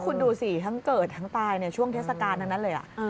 คุณดูสิทั้งเกิดทั้งตายในช่วงเทศกาลทั้งนั้นเลย